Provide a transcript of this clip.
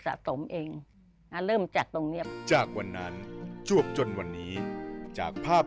สะสมเองอ่าเริ่มจากตรงเนี้ยจากวันนั้นจวบจนวันนี้จากภาพ